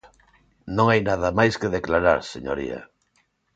Non hai nada máis que declarar, señoría.